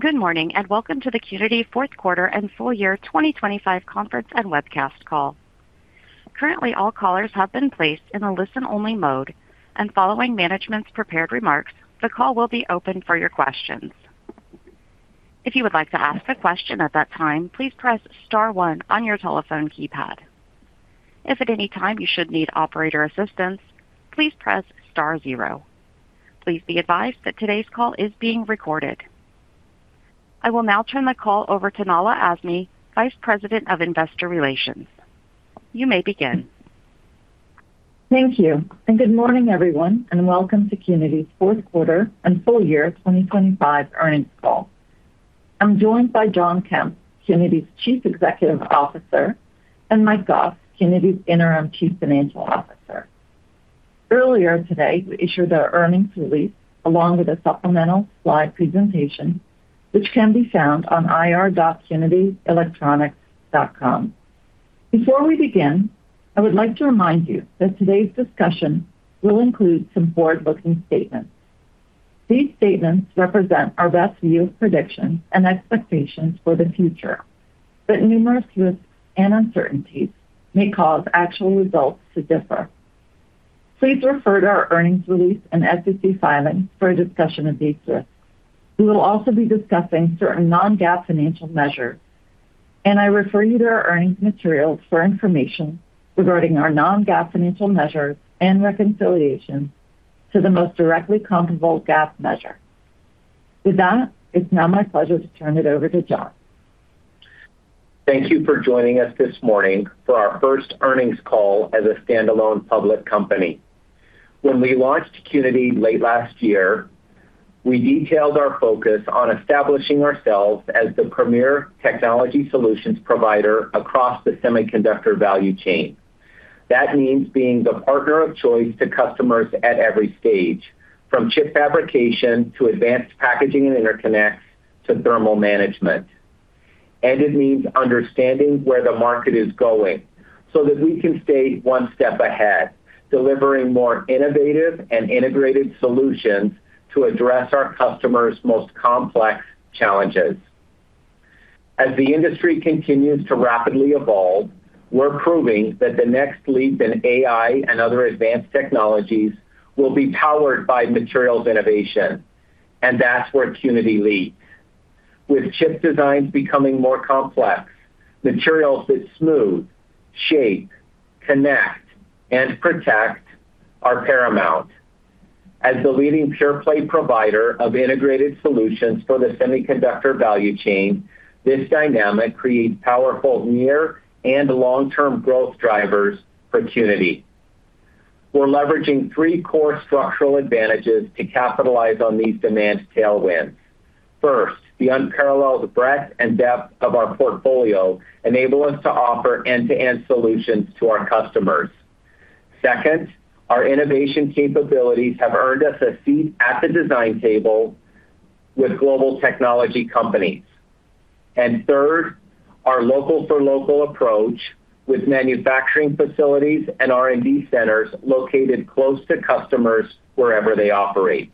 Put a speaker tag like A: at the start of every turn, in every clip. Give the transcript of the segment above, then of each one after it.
A: Good morning, welcome to the Qnity fourth quarter and full year 2025 conference and webcast call. Currently, all callers have been placed in a listen-only mode, and following management's prepared remarks, the call will be open for your questions. If you would like to ask a question at that time, please press star one on your telephone keypad. If at any time you should need operator assistance, please press star zero. Please be advised that today's call is being recorded. I will now turn the call over to Nahla Azmy, Vice President of Investor Relations. You may begin.
B: Thank you, and good morning, everyone, and welcome to Qnity's fourth quarter and full year 2025 earnings call. I'm joined by Jon Kemp, Qnity's Chief Executive Officer, and Mike Goss, Qnity's Interim Chief Financial Officer. Earlier today, we issued our earnings release along with a supplemental slide presentation, which can be found on ir.qnityelectronics.com. Before we begin, I would like to remind you that today's discussion will include some forward-looking statements. These statements represent our best view, predictions, and expectations for the future, but numerous risks and uncertainties may cause actual results to differ. Please refer to our earnings release and SEC filings for a discussion of these risks. We will also be discussing certain non-GAAP financial measures, and I refer you to our earnings materials for information regarding our non-GAAP financial measures and reconciliation to the most directly comparable GAAP measure. With that, it's now my pleasure to turn it over to Jon.
C: Thank you for joining us this morning for our first earnings call as a standalone public company. When we launched Qnity late last year, we detailed our focus on establishing ourselves as the premier technology solutions provider across the semiconductor value chain. That means being the partner of choice to customers at every stage, from chip fabrication to advanced packaging and interconnect to thermal management. It means understanding where the market is going so that we can stay one step ahead, delivering more innovative and integrated solutions to address our customers' most complex challenges. As the industry continues to rapidly evolve, we're proving that the next leap in AI and other advanced technologies will be powered by materials innovation. That's where Qnity leads. With chip designs becoming more complex, materials that smooth, shape, connect, and protect are paramount. As the leading pure-play provider of integrated solutions for the semiconductor value chain, this dynamic creates powerful near and long-term growth drivers for Qnity. We're leveraging three core structural advantages to capitalize on these demand tailwinds. First, the unparalleled breadth and depth of our portfolio enable us to offer end-to-end solutions to our customers. Second, our innovation capabilities have earned us a seat at the design table with global technology companies. Third, our local-for-local approach, with manufacturing facilities and R&D centers located close to customers wherever they operate.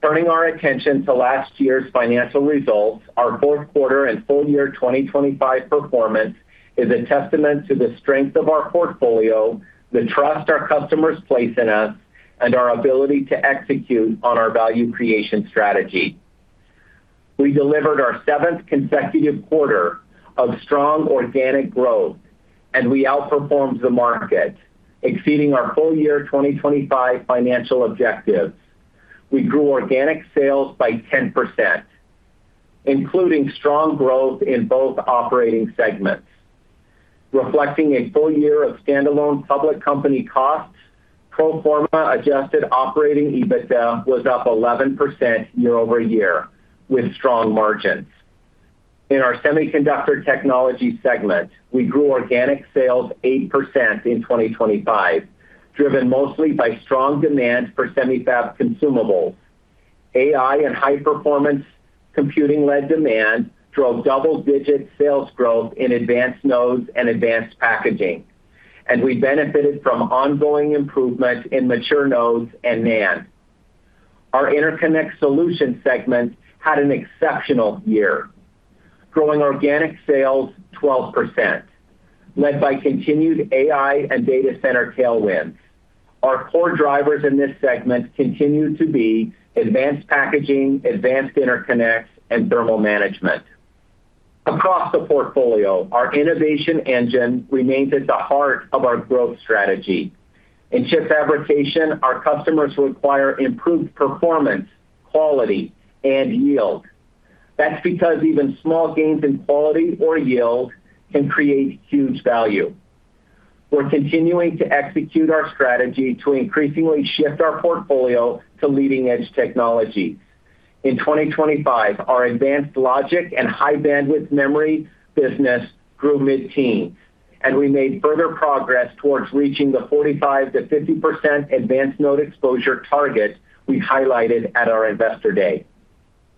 C: Turning our attention to last year's financial results, our fourth quarter and full year 2025 performance is a testament to the strength of our portfolio, the trust our customers place in us, and our ability to execute on our value creation strategy. We delivered our seventh consecutive quarter of strong organic growth, and we outperformed the market, exceeding our full year 2025 financial objectives. We grew organic sales by 10%, including strong growth in both operating segments. Reflecting a full year of standalone public company costs, pro forma Adjusted Operating EBITDA was up 11% year-over-year, with strong margins. In our Semiconductor Technologies segment, we grew organic sales 8% in 2025, driven mostly by strong demand for semi-fab consumables. AI and high-performance computing-led demand drove double-digit sales growth in advanced nodes and advanced packaging, and we benefited from ongoing improvements in mature nodes and NAND. Our Interconnect Solutions segment had an exceptional year, growing organic sales 12%, led by continued AI and data center tailwinds. Our core drivers in this segment continue to be advanced packaging, advanced interconnects, and thermal management. Across the portfolio, our innovation engine remains at the heart of our growth strategy. In chip fabrication, our customers require improved performance, quality, and yield. That's because even small gains in quality or yield can create huge value. We're continuing to execute our strategy to increasingly shift our portfolio to leading-edge technology. In 2025, our advanced logic and high-bandwidth memory business grew mid-teen, and we made further progress towards reaching the 45%-50% advanced node exposure target we highlighted at our Investor Day.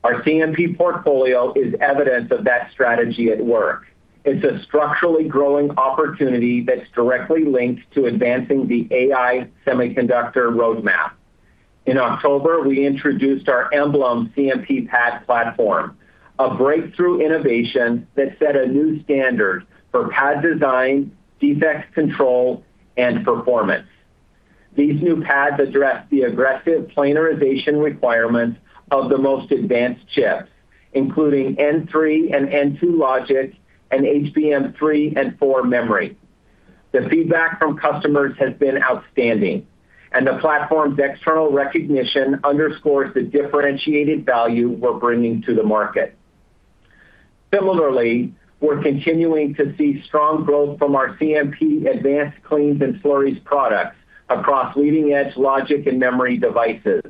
C: Our CMP portfolio is evidence of that strategy at work. It's a structurally growing opportunity that's directly linked to advancing the AI semiconductor roadmap. In October, we introduced our Emblem CMP pad platform, a breakthrough innovation that set a new standard for pad design, defect control, and performance. These new pads address the aggressive planarization requirements of the most advanced chips, including N3 and N2 logic and HBM3 and 4 memory. The feedback from customers has been outstanding, and the platform's external recognition underscores the differentiated value we're bringing to the market. Similarly, we're continuing to see strong growth from our CMP advanced cleans and slurries products across leading-edge logic and memory devices.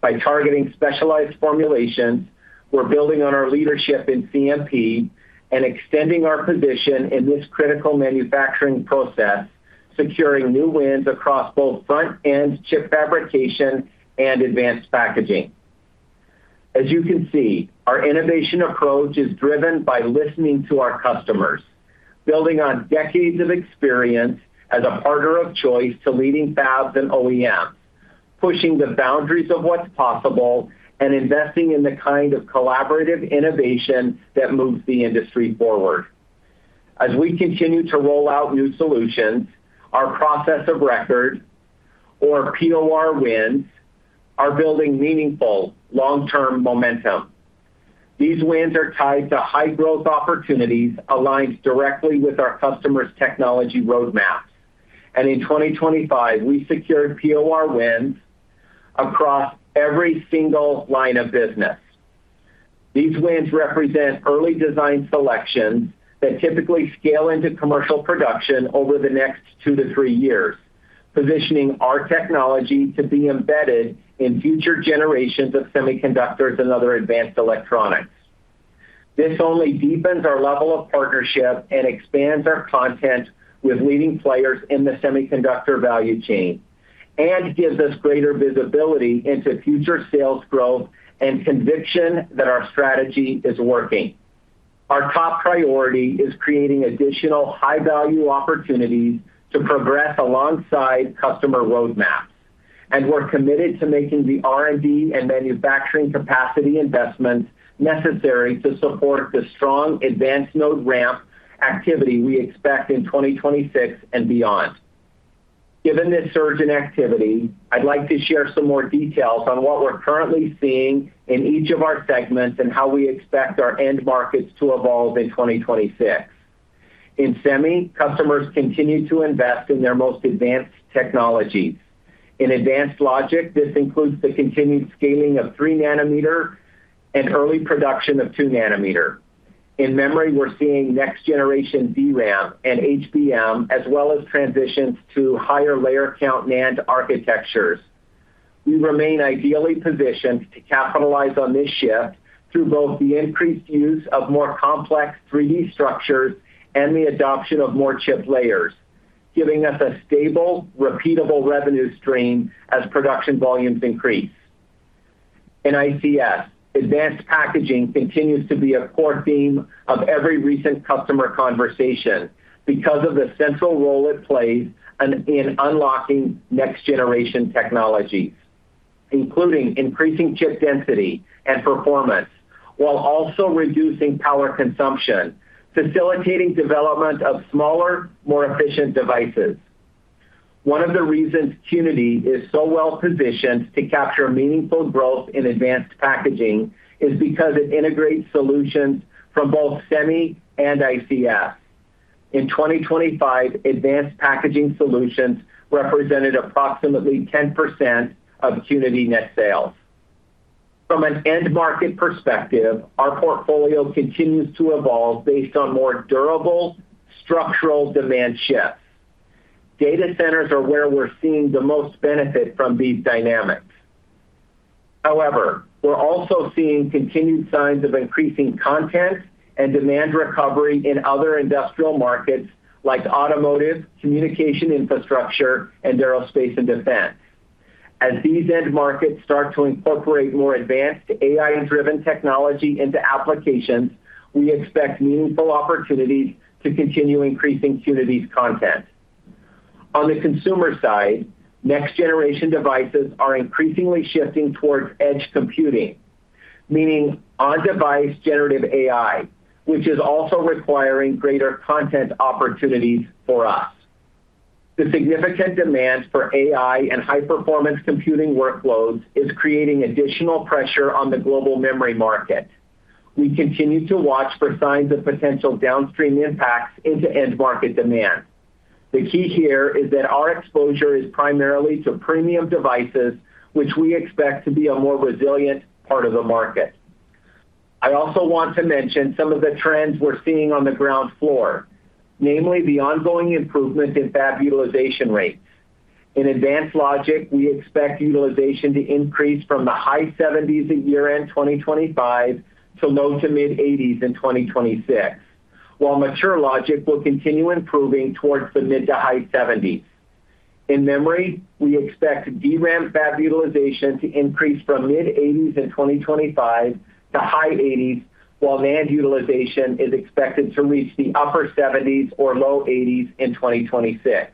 C: By targeting specialized formulations, we're building on our leadership in CMP and extending our position in this critical manufacturing process, securing new wins across both front-end chip fabrication and advanced packaging. As you can see, our innovation approach is driven by listening to our customers, building on decades of experience as a partner of choice to leading fabs and OEMs, pushing the boundaries of what's possible, and investing in the kind of collaborative innovation that moves the industry forward. As we continue to roll out new solutions, our process of record, or POR wins, are building meaningful long-term momentum. These wins are tied to high-growth opportunities aligned directly with our customers' technology roadmaps. In 2025, we secured POR wins across every single line of business. These wins represent early design selections that typically scale into commercial production over the next two to three years, positioning our technology to be embedded in future generations of semiconductors and other advanced electronics. This only deepens our level of partnership and expands our content with leading players in the semiconductor value chain, and gives us greater visibility into future sales growth and conviction that our strategy is working. Our top priority is creating additional high-value opportunities to progress alongside customer roadmaps. We're committed to making the R&D and manufacturing capacity investments necessary to support the strong advanced node ramp activity we expect in 2026 and beyond. Given this surge in activity, I'd like to share some more details on what we're currently seeing in each of our segments and how we expect our end markets to evolve in 2026. In Semi, customers continue to invest in their most advanced technologies. In advanced logic, this includes the continued scaling of 3 nm and early production of 2 nm. In memory, we're seeing next generation DRAM and HBM, as well as transitions to higher layer count NAND architectures. We remain ideally positioned to capitalize on this shift through both the increased use of more complex 3D structures and the adoption of more chip layers, giving us a stable, repeatable revenue stream as production volumes increase. In ICS, advanced packaging continues to be a core theme of every recent customer conversation because of the central role it plays in unlocking next-generation technologies, including increasing chip density and performance, while also reducing power consumption, facilitating development of smaller, more efficient devices. One of the reasons Qnity is so well positioned to capture meaningful growth in advanced packaging is because it integrates solutions from both Semi and ICS. In 2025, advanced packaging solutions represented approximately 10% of Qnity net sales. From an end market perspective, our portfolio continues to evolve based on more durable structural demand shifts. Data centers are where we're seeing the most benefit from these dynamics. We're also seeing continued signs of increasing content and demand recovery in other industrial markets like automotive, communication infrastructure, and aerospace and defense. As these end markets start to incorporate more advanced AI-driven technology into applications, we expect meaningful opportunities to continue increasing Qnity's content. On the consumer side, next-generation devices are increasingly shifting towards edge computing, meaning on-device generative AI, which is also requiring greater content opportunities for us. The significant demand for AI and high-performance computing workloads is creating additional pressure on the global memory market. We continue to watch for signs of potential downstream impacts into end market demand. The key here is that our exposure is primarily to premium devices, which we expect to be a more resilient part of the market. I also want to mention some of the trends we're seeing on the ground floor, namely the ongoing improvement in fab utilization rates. In advanced logic, we expect utilization to increase from the high 70s at year-end 2025 to low to mid-80s in 2026, while mature logic will continue improving towards the mid to high 70s. In memory, we expect DRAM fab utilization to increase from mid-80s in 2025 to high 80s, while NAND utilization is expected to reach the upper 70s or low 80s in 2026.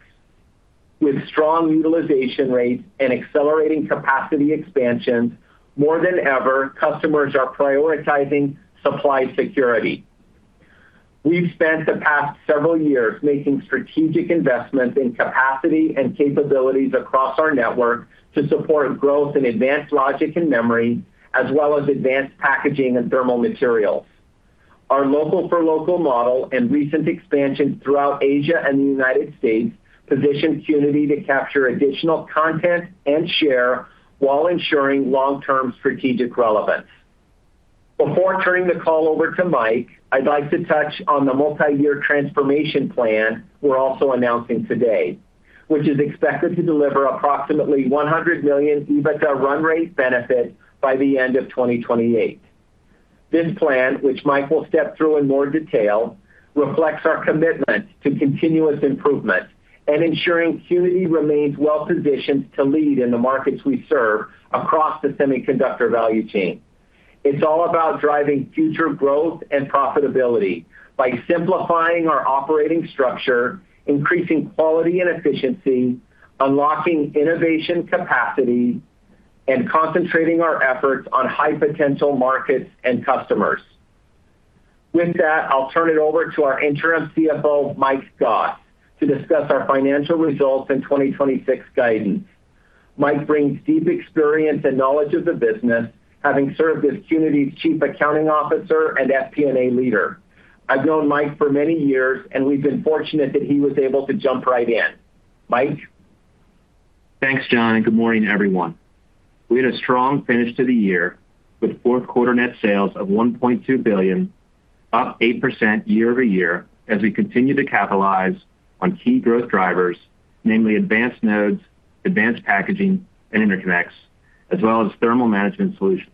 C: With strong utilization rates and accelerating capacity expansions, more than ever, customers are prioritizing supply security. We've spent the past several years making strategic investments in capacity and capabilities across our network to support growth in advanced logic and memory, as well as advanced packaging and thermal materials. Our local for local model and recent expansion throughout Asia and the United States, positions Qnity to capture additional content and share, while ensuring long-term strategic relevance. Before turning the call over to Mike, I'd like to touch on the multi-year transformation plan we're also announcing today, which is expected to deliver approximately $100 million EBITDA run-rate benefit by the end of 2028. This plan, which Mike will step through in more detail, reflects our commitment to continuous improvement and ensuring Qnity remains well-positioned to lead in the markets we serve across the semiconductor value chain. It's all about driving future growth and profitability by simplifying our operating structure, increasing quality and efficiency, unlocking innovation capacity, and concentrating our efforts on high potential markets and customers. I'll turn it over to our Interim CFO, Mike Goss, to discuss our financial results in 2026 guidance. Mike brings deep experience and knowledge of the business, having served as Qnity's Chief Accounting Officer and FP&A leader. I've known Mike for many years, and we've been fortunate that he was able to jump right in. Mike?
D: Thanks, Jon, and good morning, everyone. We had a strong finish to the year with fourth quarter net sales of $1.2 billion, up 8% year-over-year, as we continue to capitalize on key growth drivers, namely advanced nodes, advanced packaging and interconnects, as well as thermal management solutions.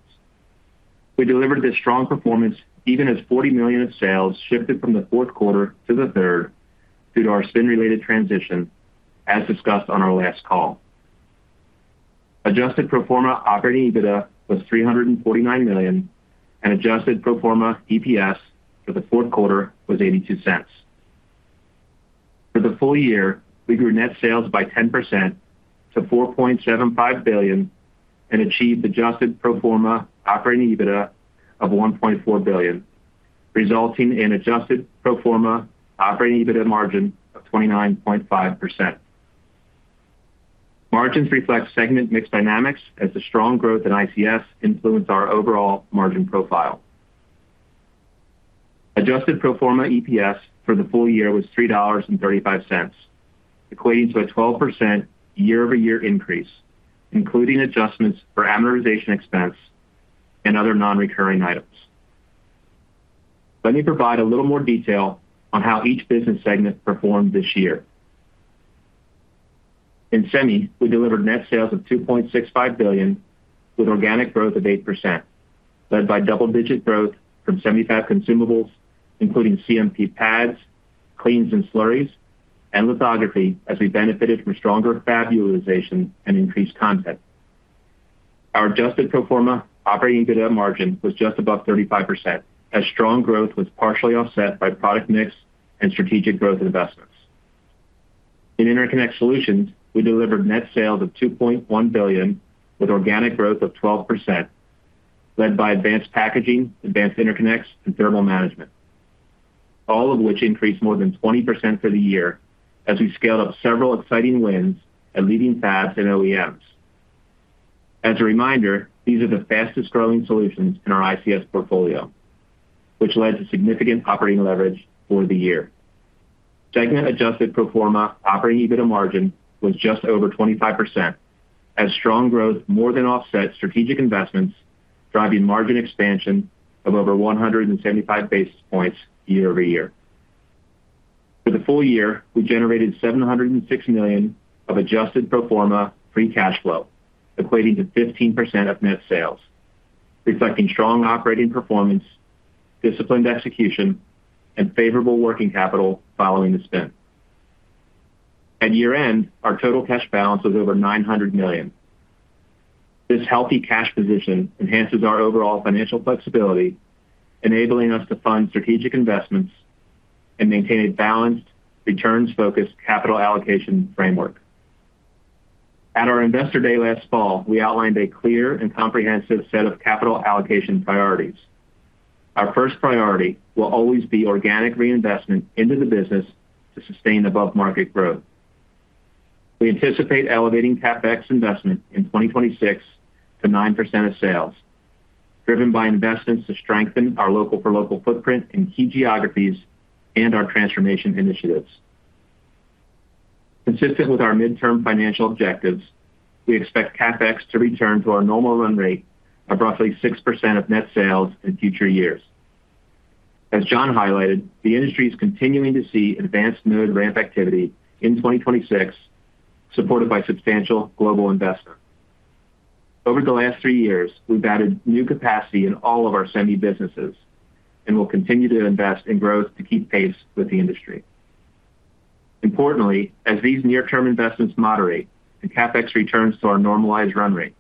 D: We delivered this strong performance even as $40 million of sales shifted from the fourth quarter to the third, due to our spin-related transition, as discussed on our last call. Adjusted Pro Forma Operating EBITDA was $349 million, and adjusted pro forma EPS for the fourth quarter was $0.82. For the full year, we grew net sales by 10% to $4.75 billion, and achieved Adjusted Pro Forma Operating EBITDA of $1.4 billion, resulting in Adjusted Pro Forma Operating EBITDA margin of 29.5%. Margins reflect segment mix dynamics as the strong growth in Interconnect Solutions influence our overall margin profile. Adjusted pro forma EPS for the full year was $3.35, equating to a 12% year-over-year increase, including adjustments for amortization expense and other non-recurring items. Let me provide a little more detail on how each business segment performed this year. In Semi, we delivered net sales of $2.65 billion, with organic growth of 8%, led by double-digit growth from semi-fab consumables, including CMP pads, cleans and slurries, and lithography, as we benefited from stronger fab utilization and increased content. Our Adjusted Pro Forma Operating EBITDA margin was just above 35%, as strong growth was partially offset by product mix and strategic growth investments. In Interconnect Solutions, we delivered net sales of $2.1 billion, with organic growth of 12%, led by advanced packaging, advanced interconnects and thermal management, all of which increased more than 20% for the year as we scaled up several exciting wins at leading fabs and OEMs. As a reminder, these are the fastest growing solutions in our ICS portfolio, which led to significant operating leverage for the year. Segment Adjusted Pro Forma Operating EBITDA margin was just over 25%, as strong growth more than offset strategic investments, driving margin expansion of over 175 basis points year-over-year. For the full year, we generated $706 million of adjusted pro forma free cash flow, equating to 15% of net sales, reflecting strong operating performance, disciplined execution, and favorable working capital following the spend. At year-end, our total cash balance was over $900 million. This healthy cash position enhances our overall financial flexibility, enabling us to fund strategic investments and maintain a balanced returns-focused capital allocation framework. At our Investor Day last fall, we outlined a clear and comprehensive set of capital allocation priorities. Our first priority will always be organic reinvestment into the business to sustain above-market growth. We anticipate elevating CapEx investment in 2026 to 9% of sales, driven by investments to strengthen our local for local footprint in key geographies and our transformation initiatives. Consistent with our midterm financial objectives, we expect CapEx to return to our normal run-rate of roughly 6% of net sales in future years. As Jon highlighted, the industry is continuing to see advanced node ramp activity in 2026, supported by substantial global investment. Over the last three years, we've added new capacity in all of our Semi businesses, we'll continue to invest in growth to keep pace with the industry. Importantly, as these near-term investments moderate and CapEx returns to our normalized run-rate,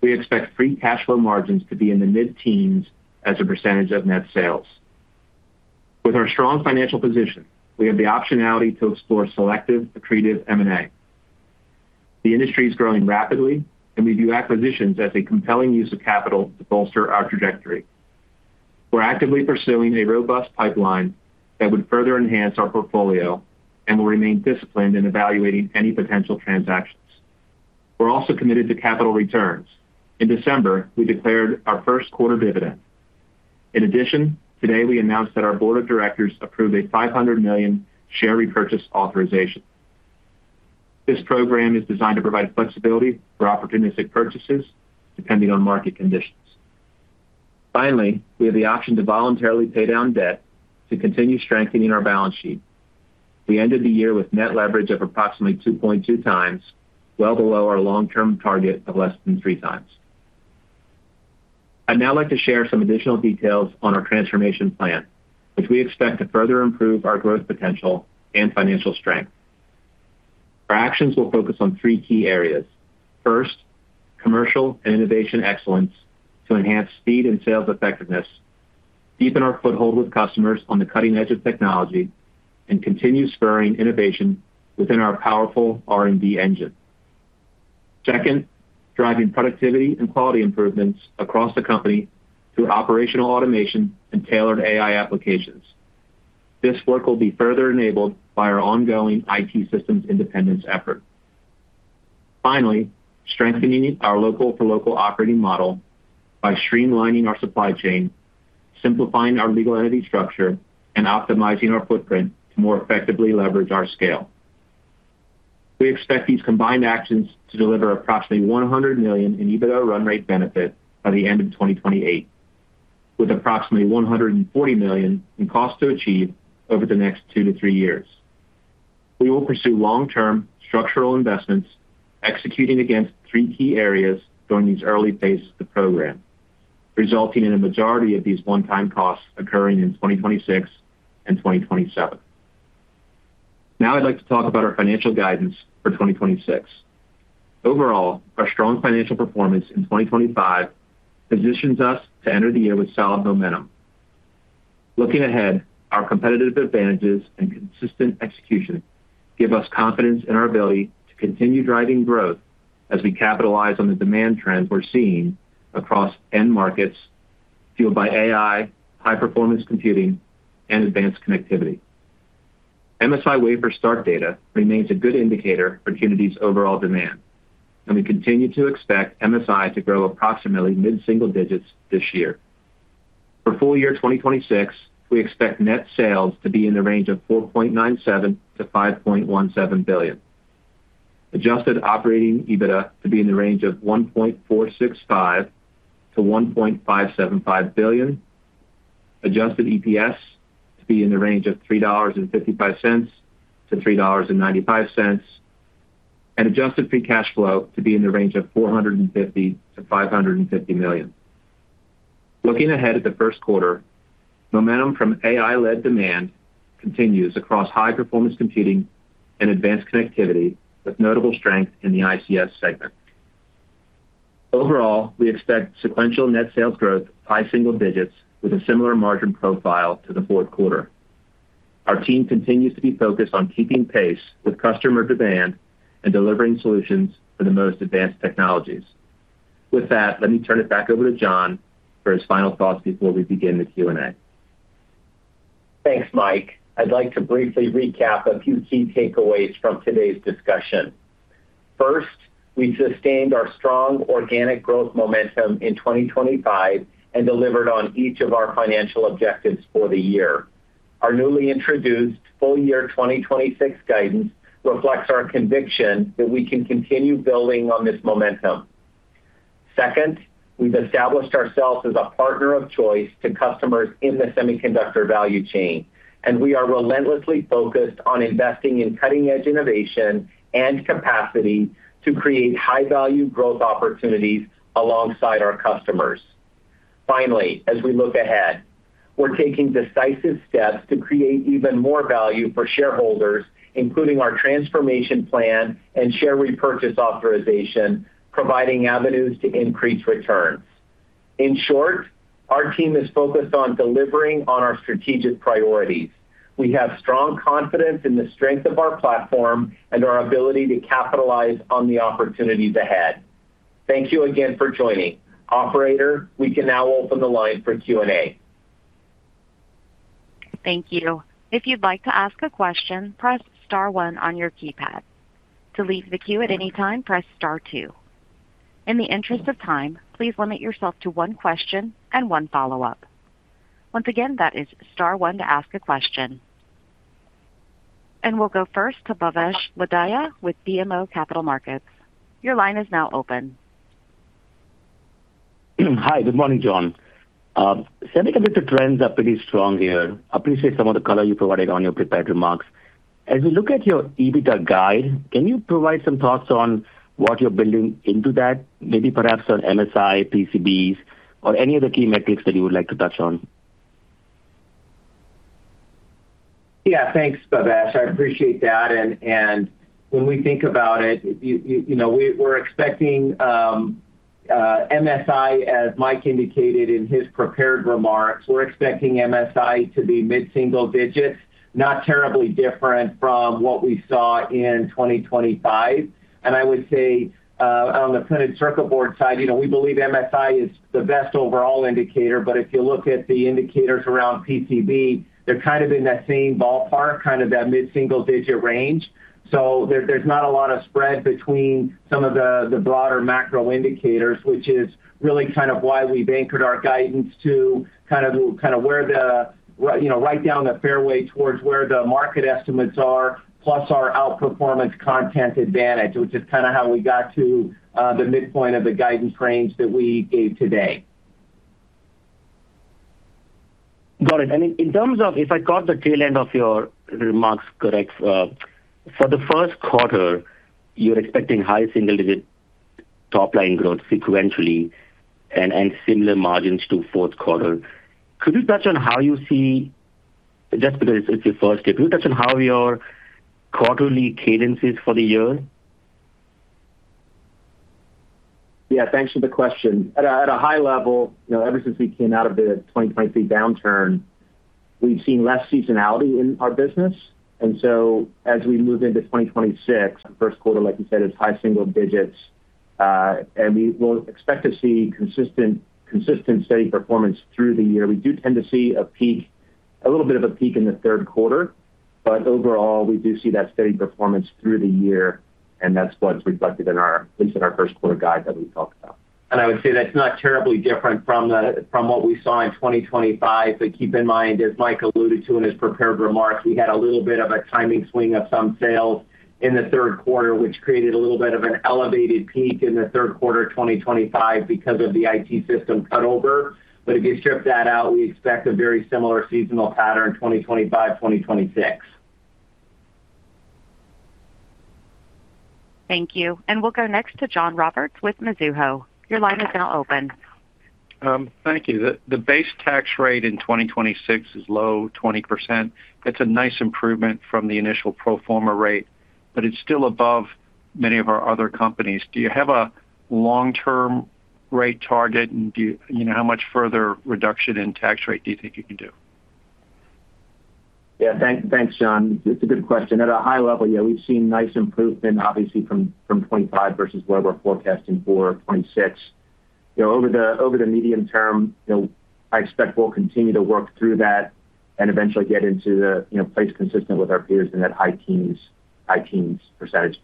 D: we expect free cash flow margins to be in the mid-teens as a percent of net sales. With our strong financial position, we have the optionality to explore selective, accretive M&A. The industry is growing rapidly, we view acquisitions as a compelling use of capital to bolster our trajectory. We're actively pursuing a robust pipeline that would further enhance our portfolio and will remain disciplined in evaluating any potential transactions. We're also committed to capital returns. In December, we declared our first quarter dividend. In addition, today, we announced that our board of directors approved a 500 million share repurchase authorization. This program is designed to provide flexibility for opportunistic purchases, depending on market conditions. We have the option to voluntarily pay down debt to continue strengthening our balance sheet. We ended the year with net leverage of approximately 2.2x, well below our long-term target of less than 3x. I'd now like to share some additional details on our transformation plan, which we expect to further improve our growth potential and financial strength. Our actions will focus on three key areas. First, commercial and innovation excellence to enhance speed and sales effectiveness, deepen our foothold with customers on the cutting edge of technology, and continue spurring innovation within our powerful R&D engine. Second, driving productivity and quality improvements across the company through operational automation and tailored AI applications. This work will be further enabled by our ongoing IT systems independence effort. Finally, strengthening our local for local operating model by streamlining our supply chain, simplifying our legal entity structure, and optimizing our footprint to more effectively leverage our scale. We expect these combined actions to deliver approximately $100 million in EBITDA run-rate benefit by the end of 2028, with approximately $140 million in cost to achieve over the next two to three years. We will pursue long-term structural investments, executing against three key areas during these early phases of the program, resulting in a majority of these one-time costs occurring in 2026 and 2027. Now I'd like to talk about our financial guidance for 2026. Overall, our strong financial performance in 2025 positions us to enter the year with solid momentum. Looking ahead, our competitive advantages and consistent execution give us confidence in our ability to continue driving growth as we capitalize on the demand trends we're seeing across end markets fueled by AI, high-performance computing, and advanced connectivity. MSI wafer start data remains a good indicator for Qnity's overall demand, and we continue to expect MSI to grow approximately mid-single digits this year. For full year 2026, we expect net sales to be in the range of $4.97 billion-$5.17 billion. Adjusted Operating EBITDA to be in the range of $1.465 billion-$1.575 billion. Adjusted EPS to be in the range of $3.55-$3.95. Adjusted free cash flow to be in the range of $450 million-$550 million. Looking ahead at the first quarter, momentum from AI-led demand continues across high-performance computing and advanced connectivity, with notable strength in the ICS segment. Overall, we expect sequential net sales growth high single digits with a similar margin profile to the fourth quarter. Our team continues to be focused on keeping pace with customer demand and delivering solutions for the most advanced technologies. With that, let me turn it back over to Jon for his final thoughts before we begin the Q&A.
C: Thanks, Mike. I'd like to briefly recap a few key takeaways from today's discussion. First, we sustained our strong organic growth momentum in 2025 and delivered on each of our financial objectives for the year. Our newly introduced full year 2026 guidance reflects our conviction that we can continue building on this momentum. Second, we've established ourselves as a partner of choice to customers in the semiconductor value chain, and we are relentlessly focused on investing in cutting-edge innovation and capacity to create high-value growth opportunities alongside our customers. Finally, as we look ahead, we're taking decisive steps to create even more value for shareholders, including our transformation plan and share repurchase authorization, providing avenues to increase returns. In short, our team is focused on delivering on our strategic priorities. We have strong confidence in the strength of our platform and our ability to capitalize on the opportunities ahead. Thank you again for joining. Operator, we can now open the line for Q&A.
A: Thank you. If you'd like to ask a question, press star one on your keypad. To leave the queue at any time, press star two. In the interest of time, please limit yourself to one question and one follow-up. Once again, that is star one to ask a question. We'll go first to Bhavesh Lodaya with BMO Capital Markets. Your line is now open.
E: Hi, good morning, Jon. Semiconductor trends are pretty strong here. Appreciate some of the color you provided on your prepared remarks. As we look at your EBITDA guide, can you provide some thoughts on what you're building into that, maybe perhaps on MSI, PCBs, or any other key metrics that you would like to touch on?
C: Yeah, thanks, Bhavesh. I appreciate that. When we think about it, you, you know, we're expecting MSI, as Mike indicated in his prepared remarks, we're expecting MSI to be mid-single digits, not terribly different from what we saw in 2025. I would say, on the printed circuit board side, you know, we believe MSI is the best overall indicator. If you look at the indicators around PCB, they're kind of in that same ballpark, kind of that mid-single-digit range. There's not a lot of spread between some of the broader macro indicators, which is really kind of why we've anchored our guidance to kind of where the, you know, right down the fairway towards where the market estimates are, plus our outperformance content advantage, which is kind of how we got to the midpoint of the guidance range that we gave today.
E: Got it. In, in terms of, if I got the tail end of your remarks correct, for the first quarter, you're expecting high single-digit top-line growth sequentially and similar margins to fourth quarter. Could you touch on how you see... Just because it's your first quarter, could you touch on how your quarterly cadence is for the year?
C: Yeah, thanks for the question. At a high level, you know, ever since we came out of the 2023 downturn, we've seen less seasonality in our business. As we move into 2026, first quarter, like you said, is high single digits. And we will expect to see consistent, steady performance through the year. We do tend to see a peak, a little bit of a peak in the third quarter, but overall, we do see that steady performance through the year, and that's what's reflected in our, at least in our first quarter guide that we talked about. I would say that's not terribly different from what we saw in 2025. Keep in mind, as Mike alluded to in his prepared remarks, we had a little bit of a timing swing of some sales in the third quarter, which created a little bit of an elevated peak in the third quarter of 2025 because of the IT system cut over. If you strip that out, we expect a very similar seasonal pattern, 2025, 2026.
A: Thank you. We'll go next to John Roberts with Mizuho. Your line is now open.
F: Thank you. The base tax rate in 2026 is low, 20%. That's a nice improvement from the initial pro forma rate, but it's still above many of our other companies. Do you have a long-term rate target? Do you know, how much further reduction in tax rate do you think you can do?
D: Yeah. Thanks, John. It's a good question. At a high level, yeah, we've seen nice improvement, obviously, from 2025 versus what we're forecasting for 2026. You know, over the medium term, you know, I expect we'll continue to work through that and eventually get into the, you know, place consistent with our peers in that high teens-high teens percentage.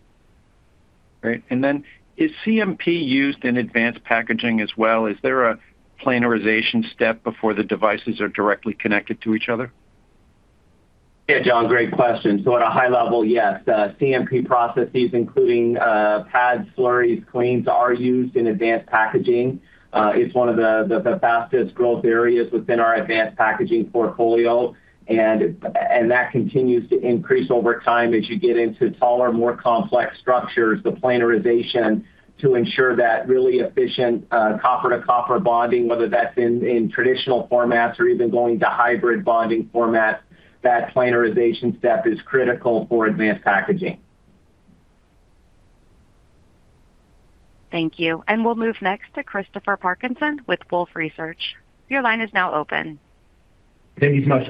F: Great. Then is CMP used in advanced packaging as well? Is there a planarization step before the devices are directly connected to each other?
C: Yeah, John, great question. At a high level, yes, CMP processes, including pads, slurries, cleans, are used in advanced packaging. It's one of the fastest growth areas within our advanced packaging portfolio, and that continues to increase over time as you get into taller, more complex structures, the planarization to ensure that really efficient copper-to-copper bonding, whether that's in traditional formats or even going to hybrid bonding formats, that planarization step is critical for advanced packaging.
A: Thank you. We'll move next to Christopher Parkinson with Wolfe Research. Your line is now open.
G: Thank you so much.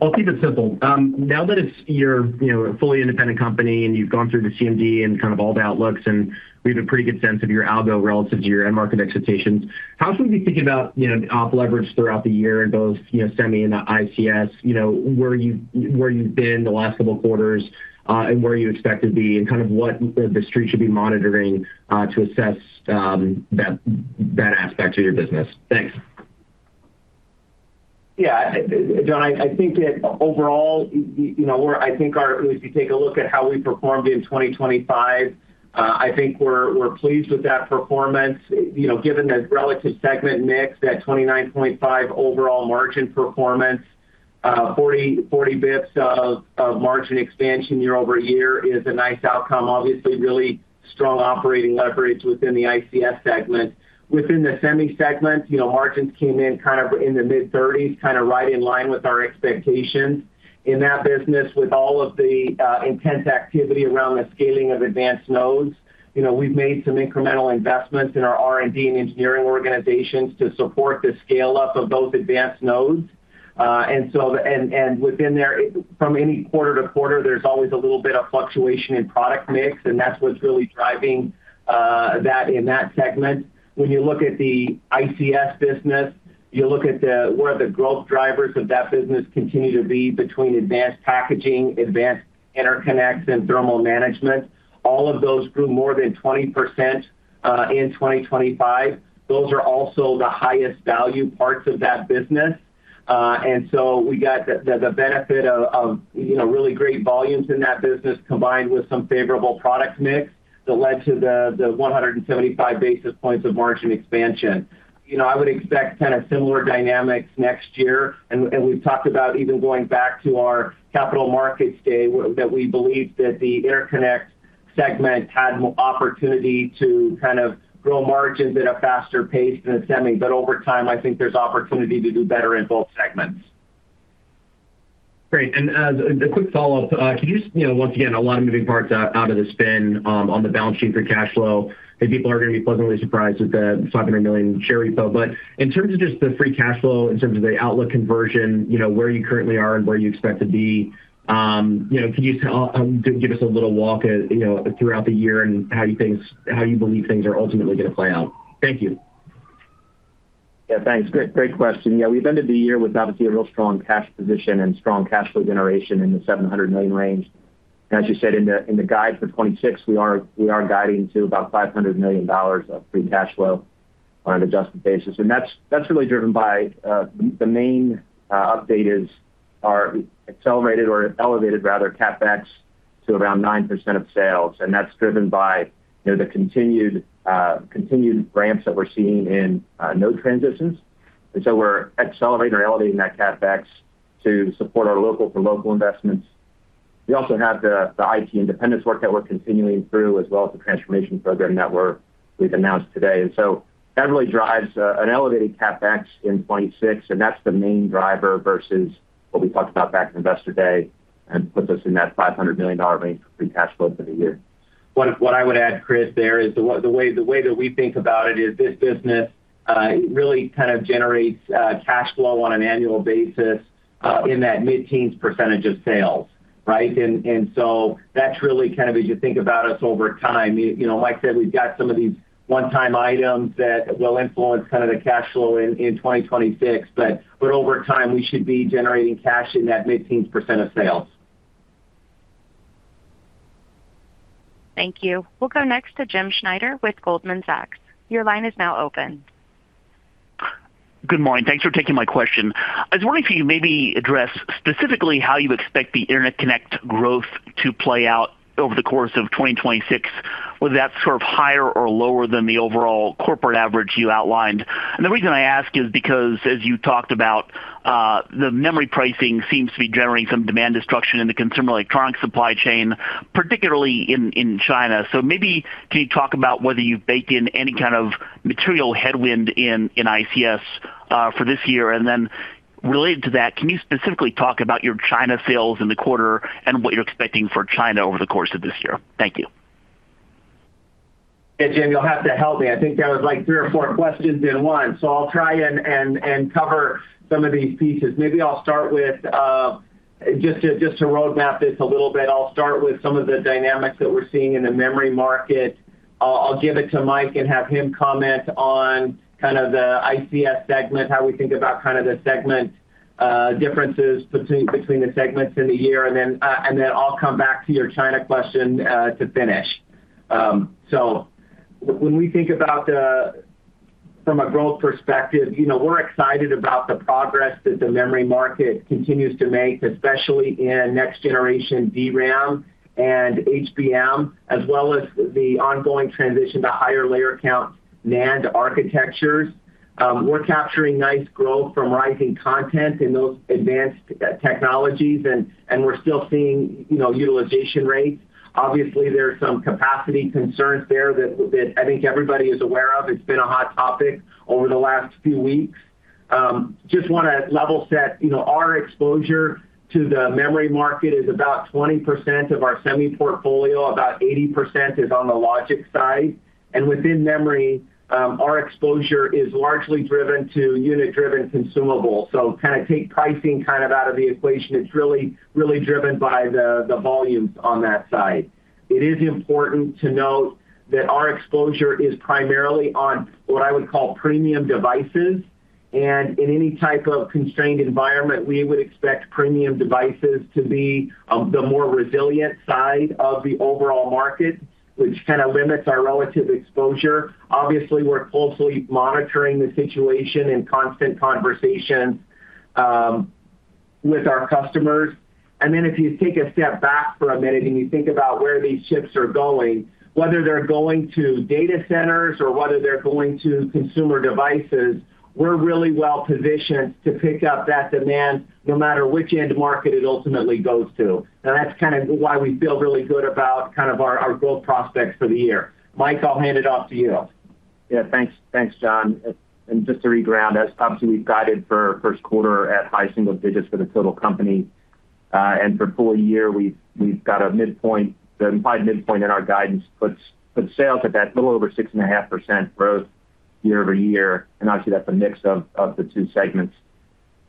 G: I'll keep it simple. Now that you're, you know, a fully independent company, and you've gone through the CMD and kind of all the outlooks, and we have a pretty good sense of your algo relative to your end market expectations, how should we be thinking about, you know, op leverage throughout the year in both, you know, Semi and Interconnect Solutions? You know, where you've been the last couple of quarters, and where you expect to be, and kind of what the Street should be monitoring to assess that aspect of your business? Thanks.
C: John, I think that overall, you know, I think our if you take a look at how we performed in 2025, I think we're pleased with that performance. You know, given the relative segment mix, that 29.5% overall margin performance, 40 bps of margin expansion year-over-year is a nice outcome. Obviously, really strong operating leverage within the ICS segment. Within the Semi segment, you know, margins came in kind of in the mid-30s, kind of right in line with our expectations. In that business, with all of the intense activity around the scaling of advanced nodes, you know, we've made some incremental investments in our R&D and engineering organizations to support the scale-up of those advanced nodes. Within there, from any quarter-to-quarter, there's always a little bit of fluctuation in product mix, and that's what's really driving that in that segment. When you look at the ICS business, you look at where the growth drivers of that business continue to be between advanced packaging, advanced interconnects, and thermal management. All of those grew more than 20% in 2025. Those are also the highest value parts of that business. We got the benefit of, you know, really great volumes in that business, combined with some favorable product mix, that led to the 175 basis points of margin expansion. You know, I would expect kind of similar dynamics next year, and we've talked about even going back to our Capital Markets Day, that we believe that the Interconnect segment had more opportunity to kind of grow margins at a faster pace than the semi. Over time, I think there's opportunity to do better in both segments.
G: Great. And as a quick follow-up, can you just, you know, once again, a lot of moving parts out of the spin, on the balance sheet for cash flow, and people are going to be pleasantly surprised with the $500 million share repo. In terms of just the free cash flow, in terms of the outlook conversion, you know, where you currently are and where you expect to be, you know, can you give us a little walk, you know, throughout the year and how you believe things are ultimately going to play out? Thank you.
D: Thanks. Great question. We've ended the year with obviously a real strong cash position and strong cash flow generation in the $700 million range. As you said, in the guide for 2026, we are guiding to about $500 million of free cash flow on an adjusted basis. That's really driven by the main update is our accelerated or elevated rather, CapEx, to around 9% of sales. That's driven by, you know, the continued ramps that we're seeing in node transitions. We're accelerating or elevating that CapEx to support our local for local investments. We also have the IT independence work that we're continuing through, as well as the transformation program that we've announced today. That really drives an elevated CapEx in 2026, and that's the main driver versus what we talked about back in Investor Day, and puts us in that $500 million range for free cash flow for the year.
C: What I would add, Chris, there, is the way that we think about it is this business really kind of generates cash flow on an annual basis in that mid-teens percentage of sales, right? So that's really kind of as you think about us over time, you know, Mike said we've got some of these one-time items that will influence kind of the cash flow in 2026, but over time, we should be generating cash in that mid-teens percentage of sales.
A: Thank you. We'll go next to Jim Schneider with Goldman Sachs. Your line is now open.
H: Good morning. Thanks for taking my question. I was wondering if you maybe address specifically how you expect the Interconnect growth to play out over the course of 2026? Whether that's sort of higher or lower than the overall corporate average you outlined? The reason I ask is because, as you talked about, the memory pricing seems to be generating some demand destruction in the consumer electronic supply chain, particularly in China. Maybe can you talk about whether you've baked in any kind of material headwind in ICS for this year? Then related to that, can you specifically talk about your China sales in the quarter and what you're expecting for China over the course of this year? Thank you.
C: Hey, Jim, you'll have to help me. I think that was, like, three or four questions in one, so I'll try and cover some of these pieces. Maybe I'll start with just to roadmap this a little bit, I'll start with some of the dynamics that we're seeing in the memory market. I'll give it to Mike and have him comment on kind of the ICS segment, how we think about kind of the segment differences between the segments in the year, and then I'll come back to your China question to finish. From a growth perspective, you know, we're excited about the progress that the memory market continues to make, especially in next generation DRAM and HBM, as well as the ongoing transition to higher layer count NAND architectures. We're capturing nice growth from rising content in those advanced technologies, we're still seeing, you know, utilization rates. Obviously, there are some capacity concerns there that I think everybody is aware of. It's been a hot topic over the last few weeks. Just want to level set, you know, our exposure to the memory market is about 20% of our Semi portfolio. About 80% is on the logic side, and within memory, our exposure is largely driven to unit-driven consumable. Kind of take pricing kind of out of the equation. It's really driven by the volumes on that side. It is important to note that our exposure is primarily on what I would call premium devices, and in any type of constrained environment, we would expect premium devices to be the more resilient side of the overall market, which kind of limits our relative exposure. Obviously, we're closely monitoring the situation in constant conversations with our customers. Then if you take a step back for a minute, and you think about where these chips are going, whether they're going to data centers or whether they're going to consumer devices, we're really well positioned to pick up that demand no matter which end market it ultimately goes to. That's kind of why we feel really good about kind of our growth prospects for the year. Mike, I'll hand it off to you.
D: Yeah, thanks. Thanks, Jon. Just to reground, as obviously, we've guided for first quarter at high single digits for the total company, and for full year, we've got the implied midpoint in our guidance, put sales at that little over 6.5% growth year-over-year, and obviously, that's a mix of the two segments.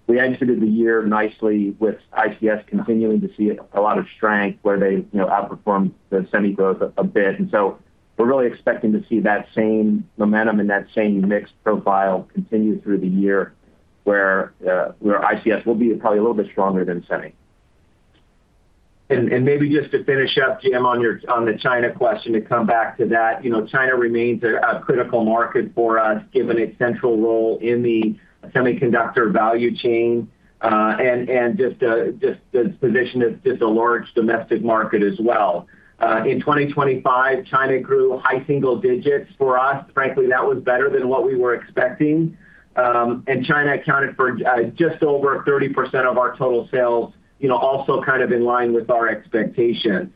D: We exited the year nicely, with ICS continuing to see a lot of strength where they, you know, outperformed the Semi growth a bit. We're really expecting to see that same momentum and that same mix profile continue through the year where ICS will be probably a little bit stronger than Semi.
C: Maybe just to finish up, Jim, on your, on the China question, to come back to that, you know, China remains a critical market for us, given its central role in the semiconductor value chain, and just the position as just a large domestic market as well. In 2025, China grew high single digits for us. Frankly, that was better than what we were expecting. China accounted for just over 30% of our total sales, you know, also kind of in line with our expectations.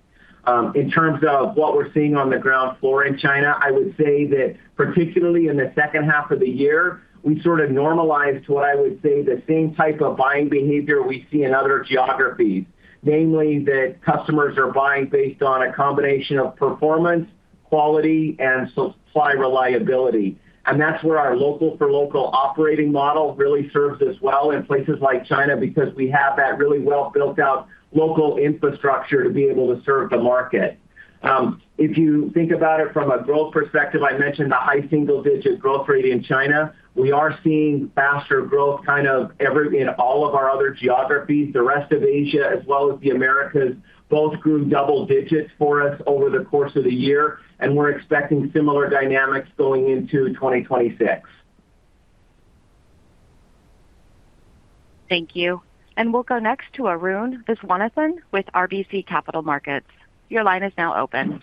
C: In terms of what we're seeing on the ground floor in China, I would say that particularly in the second half of the year, we sort of normalized what I would say, the same type of buying behavior we see in other geographies. Namely, that customers are buying based on a combination of performance, quality, and supply reliability. That's where our local for local operating model really serves us well in places like China, because we have that really well built out local infrastructure to be able to serve the market. If you think about it from a growth perspective, I mentioned the high single-digit growth rate in China. We are seeing faster growth, kind of, in all of our other geographies. The rest of Asia, as well as the Americas, both grew double digits for us over the course of the year, and we're expecting similar dynamics going into 2026.
A: Thank you. We'll go next to Arun Viswanathan with RBC Capital Markets. Your line is now open.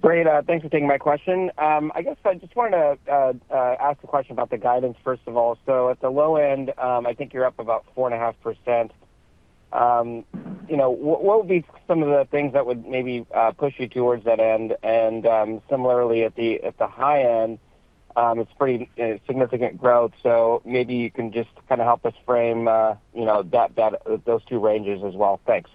I: Great. Thanks for taking my question. I guess I just wanted to ask a question about the guidance, first of all. At the low end, I think you're up about 4.5%. You know, what would be some of the things that would maybe push you towards that end? Similarly, at the high end, it's pretty significant growth. Maybe you can just kind of help us frame, you know, that, those two ranges as well. Thanks.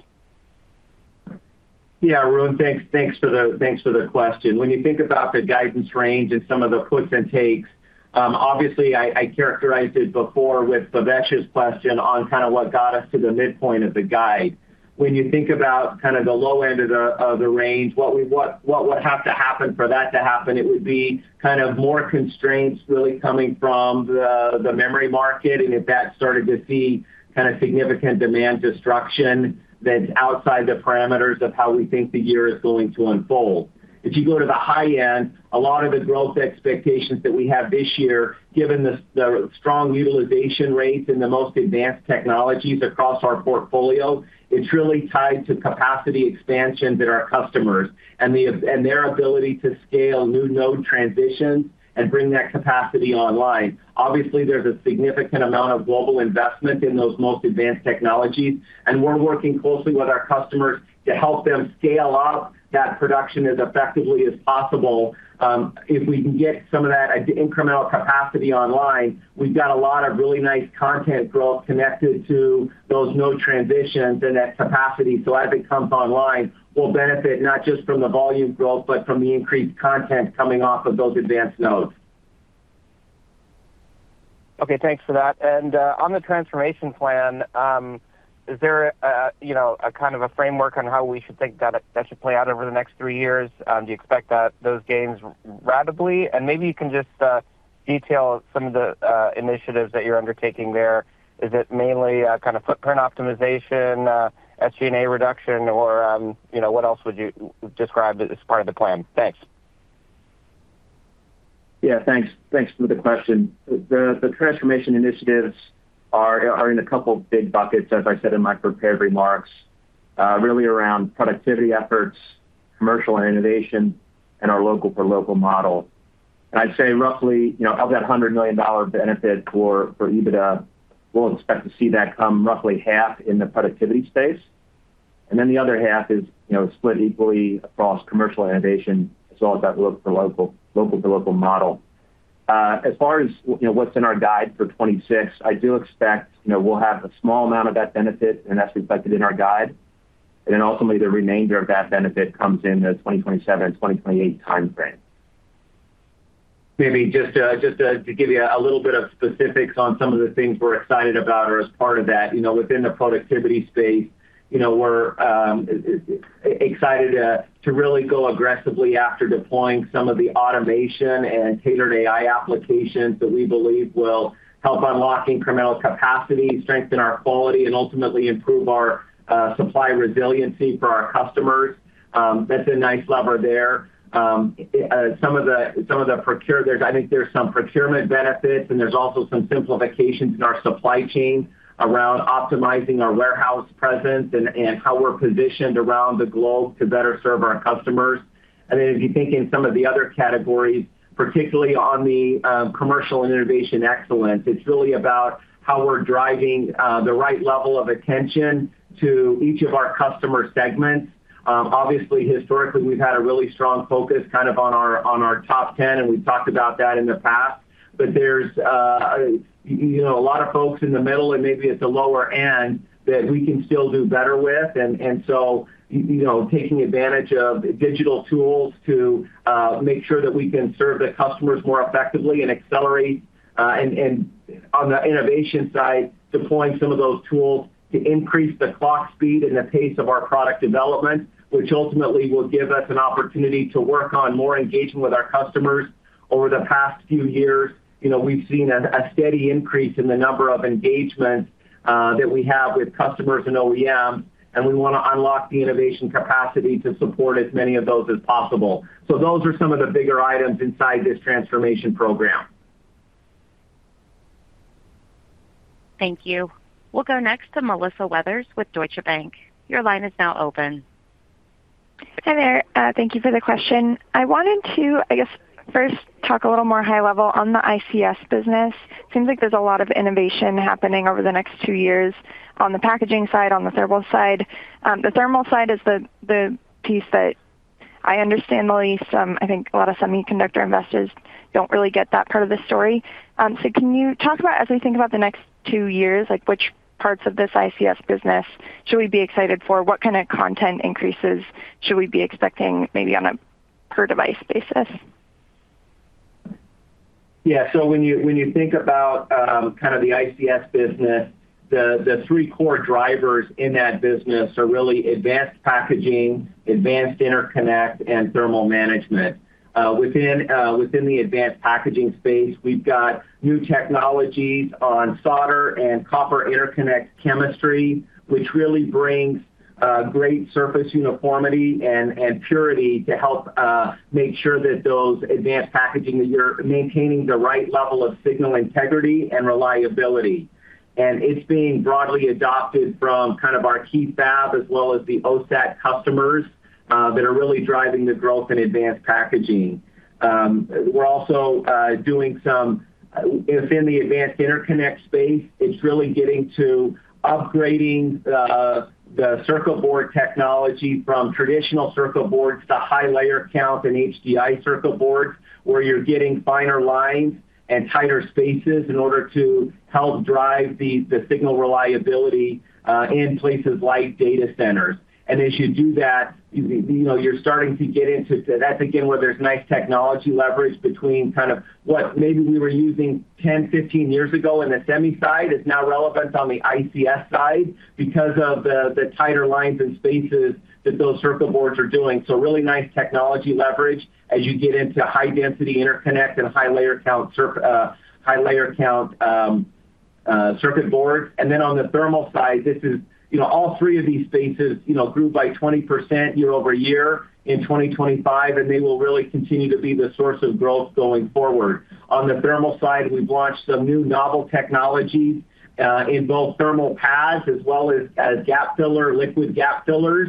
C: Yeah, Arun, thanks for the question. When you think about the guidance range and some of the puts and takes, obviously, I characterized it before with Bhavesh's question on kind of what got us to the midpoint of the guide. When you think about kind of the low end of the range, what would have to happen for that to happen, it would be kind of more constraints really coming from the memory market, and if that started to see kind of significant demand destruction, that's outside the parameters of how we think the year is going to unfold. If you go to the high end, a lot of the growth expectations that we have this year, given the strong utilization rates in the most advanced technologies across our portfolio, it's really tied to capacity expansion that our customers and their ability to scale new node transitions and bring that capacity online. Obviously, there's a significant amount of global investment in those most advanced technologies, and we're working closely with our customers to help them scale up that production as effectively as possible. If we can get some of that incremental capacity online, we've got a lot of really nice content growth connected to those node transitions and that capacity. As it comes online, we'll benefit not just from the volume growth, but from the increased content coming off of those advanced nodes.
I: Okay, thanks for that. On the transformation plan, is there a, you know, a kind of a framework on how we should think that should play out over the next three years? Do you expect that those gains rapidly? Maybe you can just detail some of the initiatives that you're undertaking there. Is it mainly kind of footprint optimization, SG&A reduction, or, you know, what else would you describe as part of the plan? Thanks.
D: Yeah, thanks. Thanks for the question. The transformation initiatives are in a couple of big buckets, as I said in my prepared remarks, really around productivity efforts, commercial and innovation, and our local for local model. I'd say roughly, you know, of that $100 million benefit for EBITDA, we'll expect to see that come roughly half in the productivity space, and the other half is, you know, split equally across commercial innovation, as well as that local for local to local model. As far as you know, what's in our guide for 2026, I do expect, you know, we'll have a small amount of that benefit, and that's reflected in our guide. Ultimately, the remainder of that benefit comes in the 2027 and 2028 time frame.
C: Maybe just to give you a little bit of specifics on some of the things we're excited about or as part of that, you know, within the productivity space, you know, we're excited to really go aggressively after deploying some of the automation and tailored AI applications that we believe will help unlock incremental capacity, strengthen our quality, and ultimately improve our supply resiliency for our customers. That's a nice lever there. I think there's some procurement benefits, and there's also some simplifications in our supply chain around optimizing our warehouse presence and how we're positioned around the globe to better serve our customers. If you think in some of the other categories, particularly on the commercial and innovation excellence, it's really about how we're driving the right level of attention to each of our customer segments. Obviously, historically, we've had a really strong focus, kind of, on our, on our top 10, and we've talked about that in the past. There's, you know, a lot of folks in the middle and maybe at the lower end that we can still do better with. You know, taking advantage of digital tools to make sure that we can serve the customers more effectively and accelerate, and on the innovation side, deploying some of those tools to increase the clock speed and the pace of our product development, which ultimately will give us an opportunity to work on more engagement with our customers. Over the past few years, you know, we've seen a steady increase in the number of engagements that we have with customers and OEM. We want to unlock the innovation capacity to support as many of those as possible. Those are some of the bigger items inside this transformation program.
A: Thank you. We'll go next to Melissa Weathers with Deutsche Bank. Your line is now open.
J: Hi there, thank you for the question. I wanted to, I guess, first talk a little more high level on the ICS business. It seems like there's a lot of innovation happening over the next two years on the packaging side, on the thermal side. The thermal side is the piece that I understand the least. I think a lot of semiconductor investors don't really get that part of the story. Can you talk about, as we think about the next two years, like, which parts of this ICS business should we be excited for? What kind of content increases should we be expecting, maybe on a per device basis?
C: When you think about kind of the ICS business, the three core drivers in that business are really advanced packaging, advanced interconnect, and thermal management. Within the advanced packaging space, we've got new technologies on solder and copper interconnect chemistry, which really brings great surface uniformity and purity to help make sure that those advanced packaging, you're maintaining the right level of signal integrity and reliability. It's being broadly adopted from kind of our key fab as well as the OSAT customers that are really driving the growth in advanced packaging. We're also doing some within the advanced interconnect space, it's really getting to upgrading the circuit board technology from traditional circuit boards to high layer count and HDI circuit boards, where you're getting finer lines and tighter spaces in order to help drive the signal reliability in places like data centers. As you do that, you know, you're starting to get into that's again, where there's nice technology leverage between kind of what maybe we were using 10, 15 years ago in the Semi side, is now relevant on the ICS side because of the tighter lines and spaces that those circuit boards are doing. Really nice technology leverage as you get into high density interconnect and high layer count circuit board. On the thermal side, this is, you know, all three of these spaces, you know, grew by 20% year-over-year in 2025. They will really continue to be the source of growth going forward. On the thermal side, we've launched some new novel technologies in both thermal pads as well as gap filler, liquid gap fillers,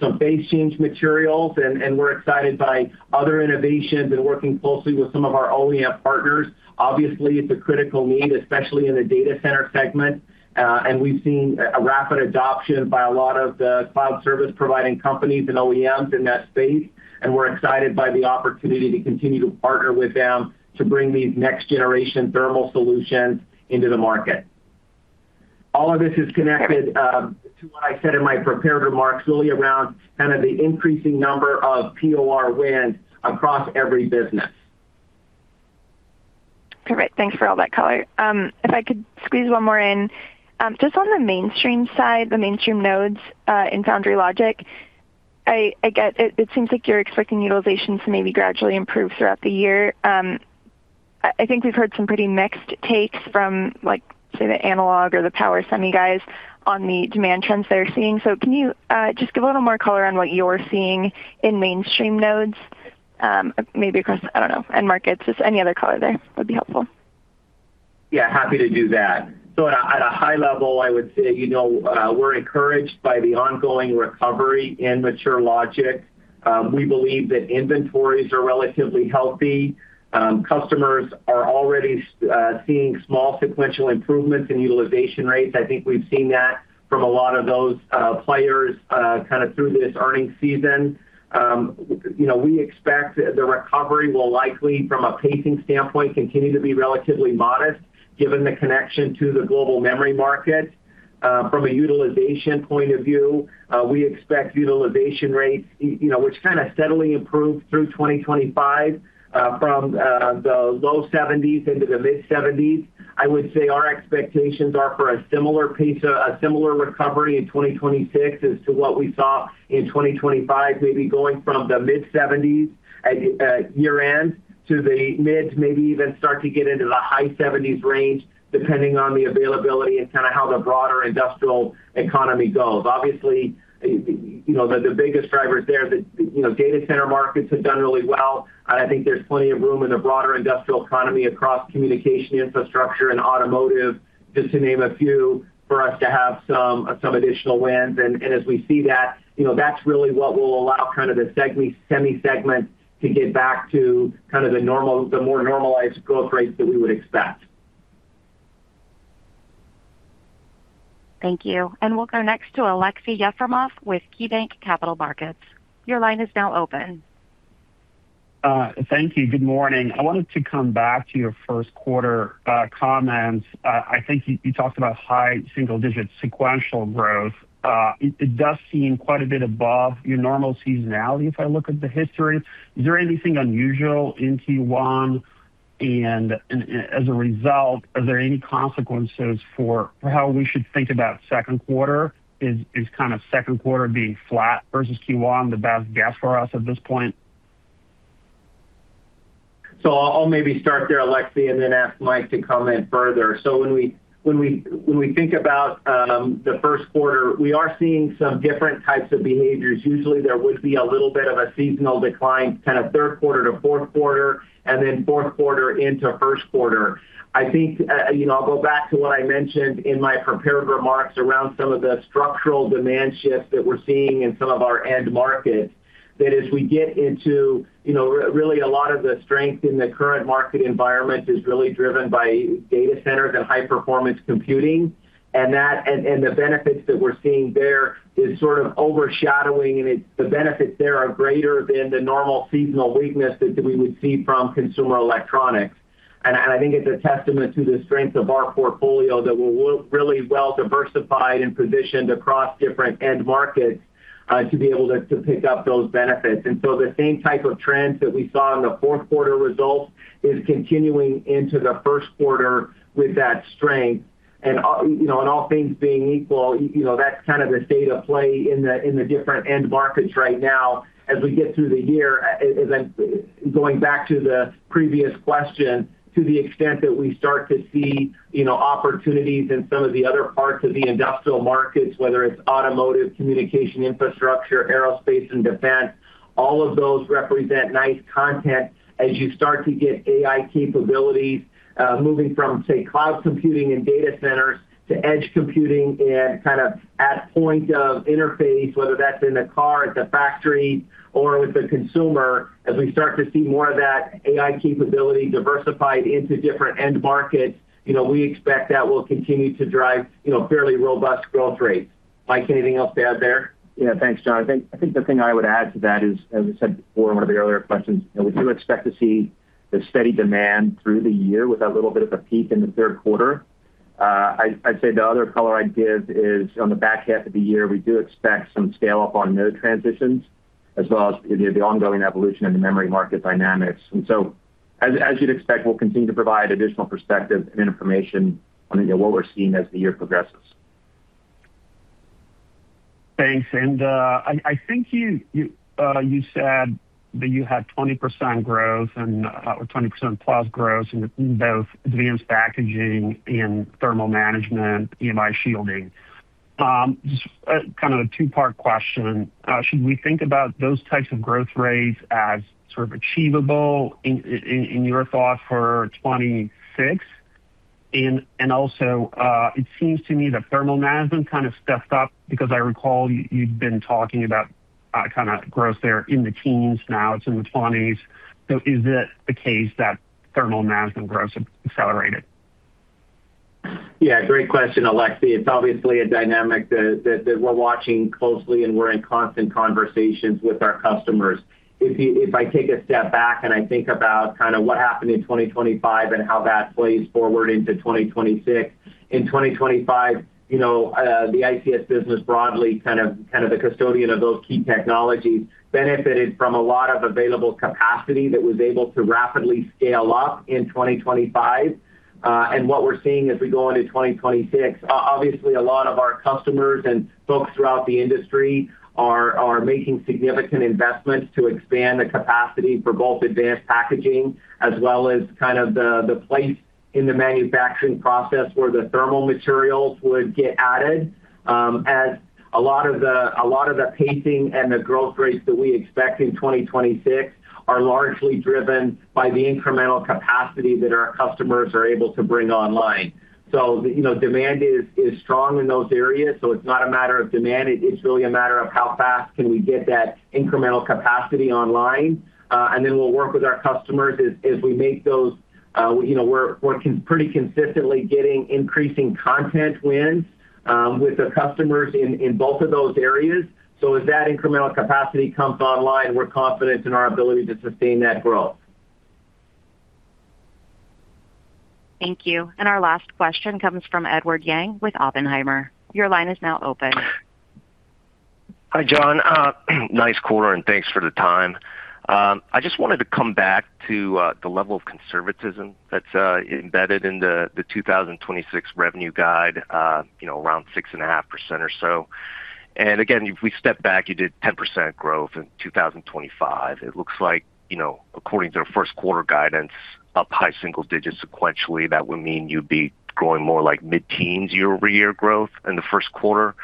C: some phase change materials, and we're excited by other innovations and working closely with some of our OEM partners. Obviously, it's a critical need, especially in the data center segment. We've seen a rapid adoption by a lot of the cloud service providing companies and OEMs in that space, and we're excited by the opportunity to continue to partner with them to bring these next generation thermal solutions into the market. All of this is connected, to what I said in my prepared remarks, really around kind of the increasing number of POR wins across every business.
J: Perfect. Thanks for all that color. If I could squeeze one more in. Just on the mainstream side, the mainstream nodes, in foundry logic, it seems like you're expecting utilization to maybe gradually improve throughout the year. I think we've heard some pretty mixed takes from, like, say, the analog or the power Semi guys on the demand trends they're seeing. Can you just give a little more color on what you're seeing in mainstream nodes, maybe across, I don't know, end markets? Just any other color there would be helpful.
C: Happy to do that. At a high level, I would say, you know, we're encouraged by the ongoing recovery in mature logic. We believe that inventories are relatively healthy. Customers are already seeing small sequential improvements in utilization rates. I think we've seen that from a lot of those players kind of through this earnings season. You know, we expect the recovery will likely, from a pacing standpoint, continue to be relatively modest, given the connection to the global memory market. From a utilization point of view, we expect utilization rates, you know, which kind of steadily improved through 2025, from the low 70s into the mid-70s. I would say our expectations are for a similar pace, a similar recovery in 2026 as to what we saw in 2025. Maybe going from the mid-70s at year-end to the mid, maybe even start to get into the high 70s range, depending on the availability and kind of how the broader industrial economy goes. Obviously, you know, the biggest drivers there, you know, data center markets have done really well. I think there's plenty of room in the broader industrial economy across communication, infrastructure, and automotive, just to name a few, for us to have some additional wins. As we see that, you know, that's really what will allow kind of the Semi segment to get back to kind of the more normalized growth rates that we would expect.
A: Thank you. We'll go next to Aleksey Yefremov with KeyBanc Capital Markets. Your line is now open.
K: Thank you. Good morning. I wanted to come back to your first quarter comments. I think you talked about high single-digit sequential growth. It does seem quite a bit above your normal seasonality, if I look at the history. Is there anything unusual in Q1? As a result, are there any consequences for how we should think about second quarter? Is kind of second quarter being flat versus Q1 the best guess for us at this point?
C: I'll maybe start there, Aleksey, and then ask Mike to comment further. When we think about the first quarter, we are seeing some different types of behaviors. Usually, there would be a little bit of a seasonal decline, kind of third quarter to fourth quarter, and then fourth quarter into first quarter. I think, you know, I'll go back to what I mentioned in my prepared remarks around some of the structural demand shifts that we're seeing in some of our end markets. As we get into, you know, really a lot of the strength in the current market environment is really driven by data centers and high-performance computing, and the benefits that we're seeing there is sort of overshadowing, the benefits there are greater than the normal seasonal weakness that we would see from consumer electronics. I think it's a testament to the strength of our portfolio, that we're really well diversified and positioned across different end markets, to be able to pick up those benefits. The same type of trends that we saw in the fourth quarter results is continuing into the first quarter with that strength. You know, and all things being equal, you know, that's kind of the state of play in the, in the different end markets right now. As we get through the year, and going back to the previous question, to the extent that we start to see, you know, opportunities in some of the other parts of the industrial markets, whether it's automotive, communication, infrastructure, aerospace, and defense, all of those represent nice content as you start to get AI capabilities moving from, say, cloud computing and data centers to edge computing and kind of at point of interface, whether that's in the car, at the factory, or with the consumer. As we start to see more of that AI capability diversified into different end markets, you know, we expect that will continue to drive, you know, fairly robust growth rates. Mike, anything else to add there?
D: Yeah. Thanks, Jon. I think the thing I would add to that is, as I said before in one of the earlier questions, that we do expect to see the steady demand through the year with a little bit of a peak in the third quarter. I'd say the other color I'd give is on the back half of the year, we do expect some scale-up on node transitions, as well as the ongoing evolution in the memory market dynamics. As you'd expect, we'll continue to provide additional perspective and information on, you know, what we're seeing as the year progresses.
K: Thanks. I think you said that you had 20% growth and or 20%+ growth in both advanced packaging and thermal management, EMI shielding. Just kind of a two-part question. Should we think about those types of growth rates as sort of achievable in your thoughts for 2026? Also, it seems to me that thermal management kind of stepped up because I recall you'd been talking about kind of growth there in the teens, now it's in the twenties. Is it the case that thermal management growth has accelerated?
C: Yeah, great question, Aleksey. It's obviously a dynamic that we're watching closely, and we're in constant conversations with our customers. If I take a step back and I think about kind of what happened in 2025 and how that plays forward into 2026. In 2025, you know, the ICS business broadly, kind of the custodian of those key technologies, benefited from a lot of available capacity that was able to rapidly scale up in 2025. What we're seeing as we go into 2026, obviously, a lot of our customers and folks throughout the industry are making significant investments to expand the capacity for both advanced packaging as well as kind of the place in the manufacturing process where the thermal materials would get added. As a lot of the pacing and the growth rates that we expect in 2026 are largely driven by the incremental capacity that our customers are able to bring online. You know, demand is strong in those areas, so it's not a matter of demand, it's really a matter of how fast can we get that incremental capacity online. Then we'll work with our customers as we make those. You know, we're pretty consistently getting increasing content wins with the customers in both of those areas. As that incremental capacity comes online, we're confident in our ability to sustain that growth.
A: Thank you. Our last question comes from Edward Yang with Oppenheimer. Your line is now open.
L: Hi, Jon. Nice quarter, and thanks for the time. I just wanted to come back to the level of conservatism that's embedded in the 2026 revenue guide, you know, around 6.5% or so. Again, if we step back, you did 10% growth in 2025. It looks like, you know, according to the first quarter guidance, up high single digits sequentially, that would mean you'd be growing more like mid-teens year-over-year growth in the first quarter.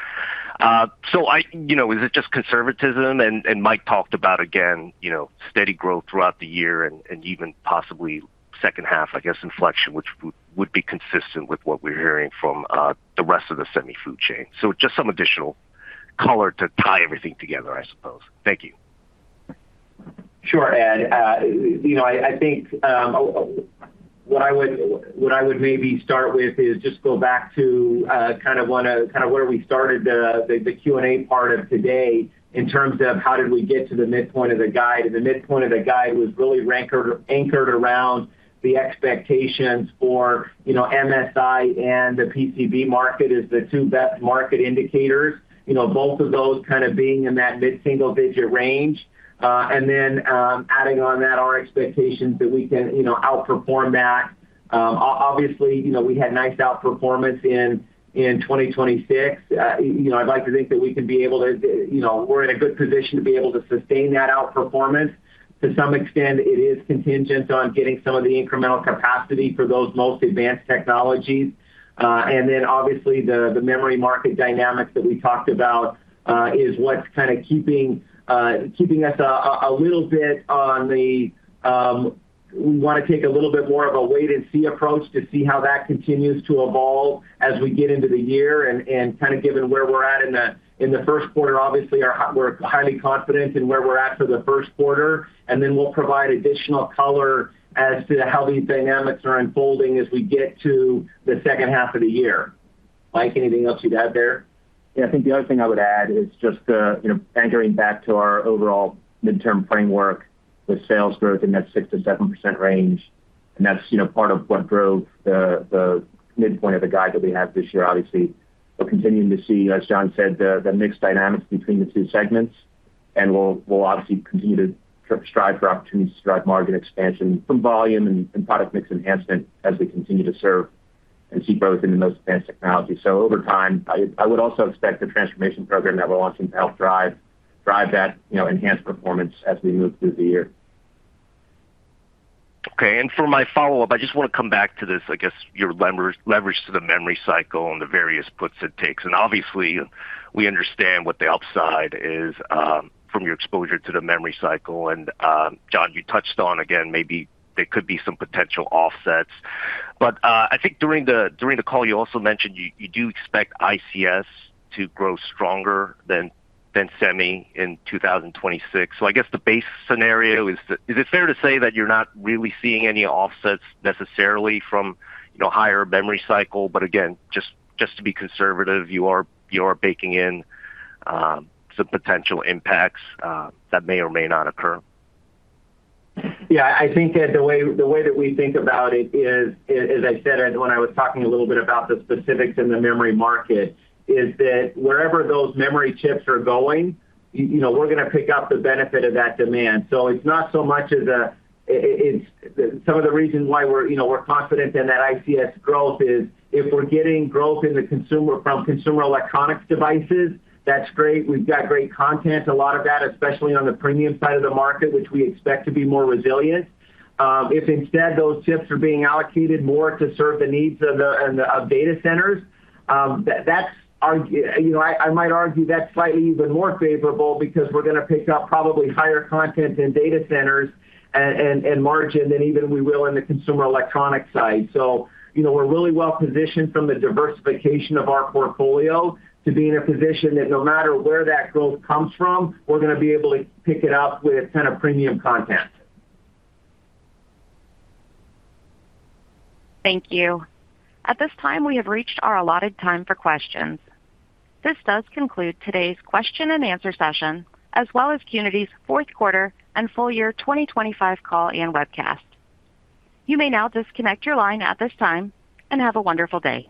L: You know, is it just conservatism? Mike talked about, again, you know, steady growth throughout the year and even possibly second half, I guess, inflection, which would be consistent with what we're hearing from the rest of the Semi food chain. Just some additional color to tie everything together, I suppose. Thank you.
C: Sure, Ed. You know, I think, what I would maybe start with is just go back to kind of where we started the Q&A part of today in terms of how did we get to the midpoint of the guide. The midpoint of the guide was really anchored around the expectations for, you know, MSI and the PCB market as the two best market indicators. You know, both of those kind of being in that mid-single digit range. Adding on that, our expectations that we can, you know, outperform that. Obviously, you know, we had nice outperformance in 2026. You know, I'd like to think that we can be able to, you know, we're in a good position to be able to sustain that outperformance. To some extent, it is contingent on getting some of the incremental capacity for those most advanced technologies. Obviously, the memory market dynamics that we talked about, is what's kind of keeping us a little bit on the we want to take a little bit more of a wait-and-see approach to see how that continues to evolve as we get into the year and kind of given where we're at in the first quarter. Obviously, we're highly confident in where we're at for the first quarter, and then we'll provide additional color as to how these dynamics are unfolding as we get to the second half of the year. Mike, anything else you'd add there?
D: Yeah, I think the other thing I would add is just, you know, anchoring back to our overall midterm framework with sales growth in that 6%-7% range. That's, you know, part of what drove the midpoint of the guide that we have this year. Obviously, we're continuing to see, as Jon said, the mixed dynamics between the two segments. We'll, we'll obviously continue to strive for opportunities to drive margin expansion from volume and product mix enhancement as we continue to serve and see growth in the most advanced technologies. Over time, I would also expect the transformation program that we're launching to help drive that, you know, enhanced performance as we move through the year.
L: Okay, for my follow-up, I just want to come back to this, I guess, your leverage to the memory cycle and the various puts and takes. Obviously, we understand what the upside is from your exposure to the memory cycle. Jon, you touched on, again, maybe there could be some potential offsets. I think during the call, you do expect ICS to grow stronger than Semi in 2026. I guess the base scenario is it fair to say that you're not really seeing any offsets necessarily from, you know, higher memory cycle, but again, just to be conservative, you are baking in some potential impacts that may or may not occur?
C: I think that the way that we think about it is, as I said, when I was talking a little bit about the specifics in the memory market, is that wherever those memory chips are going, you know, we're going to pick up the benefit of that demand. It's not so much as a, some of the reasons why we're, you know, we're confident in that ICS growth is if we're getting growth in the consumer, from consumer electronics devices, that's great. We've got great content, a lot of that, especially on the premium side of the market, which we expect to be more resilient. If instead, those chips are being allocated more to serve the needs of data centers, you know, I might argue that's slightly even more favorable because we're going to pick up probably higher content in data centers and margin than even we will in the consumer electronic side. You know, we're really well positioned from the diversification of our portfolio to be in a position that no matter where that growth comes from, we're going to be able to pick it up with kind of premium content.
A: Thank you. At this time, we have reached our allotted time for questions. This does conclude today's question and answer session, as well as Qnity's fourth quarter and full year 2025 call and webcast. You may now disconnect your line at this time. Have a wonderful day.